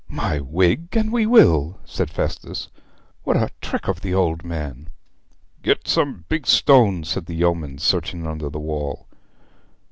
'My wig, and we will!' said Festus. 'What a trick of the old man!' 'Get some big stones,' said the yeomen, searching under the wall.